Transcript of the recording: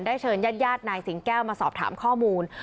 เชิญญาติญาตินายสิงแก้วมาสอบถามข้อมูล